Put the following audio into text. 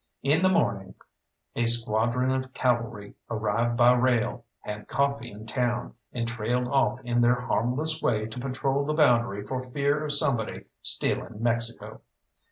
In the morning a squadron of cavalry arrived by rail, had coffee in town, and trailed off in their harmless way to patrol the boundary for fear of somebody stealing Mexico.